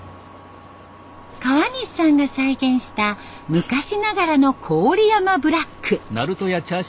川西さんが再現した昔ながらの郡山ブラック。